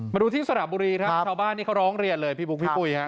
มาดูที่สระบุรีครับชาวบ้านนี่เขาร้องเรียนเลยพี่บุ๊คพี่ปุ้ยฮะ